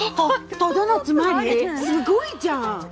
すごいじゃん。